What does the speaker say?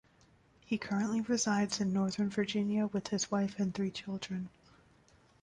He currently resides in Northern Virginia with his wife and three children.